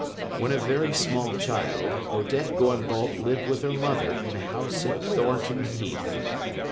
When a very small child, Odette Goimbault lived with her mother in a house at Thornton Heath.